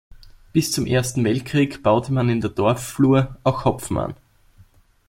Bis zum Ersten Weltkrieg baute man in der Dorfflur auch Hopfen an.